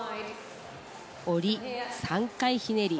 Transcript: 下り技、３回ひねり。